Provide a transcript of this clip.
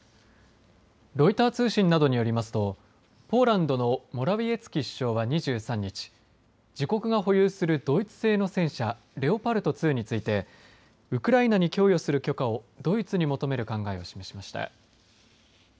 ロイター通信などによりますとポーランドのモラウィエツキ首相は２３日自国が保有するドイツ製の戦車レオパルト２についてウクライナに供与する許可をドイツに求める考えを示しました。